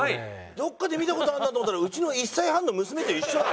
どっかで見た事あるなと思ったらうちの１歳半の娘と一緒だ